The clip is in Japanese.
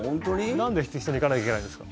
なんで一緒に行かなきゃいけないんですか？